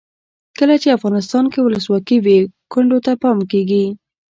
کله چې افغانستان کې ولسواکي وي کونډو ته پام کیږي.